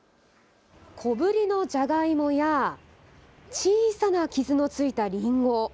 小ぶりのジャガイモや小さな傷のついたリンゴ。